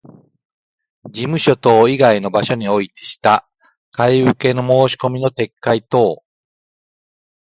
事務所等以外の場所においてした買受けの申込みの撤回等